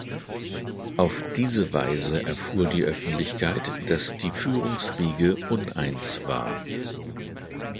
Auf diese Weise erfuhr die Öffentlichkeit, dass die Führungsriege uneins war.